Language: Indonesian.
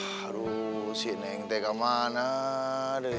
harusnya ini gak ada ya